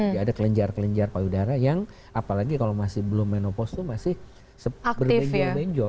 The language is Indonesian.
jadi ada kelenjar kelenjar payudara yang apalagi kalau masih belum menopos itu masih berbenjol benjol